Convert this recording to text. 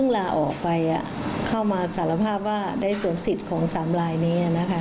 ลาออกไปเข้ามาสารภาพว่าได้สวมสิทธิ์ของ๓ลายนี้